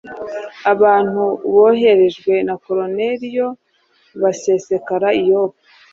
abantu boherejwe na Koruneliyo basesekara i Yopa,